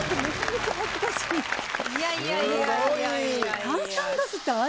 いやいやいやいや。